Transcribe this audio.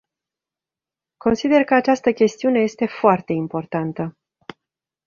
Consider că această chestiune este foarte importantă.